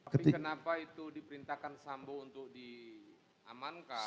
tapi kenapa itu diperintahkan sambo untuk diamankan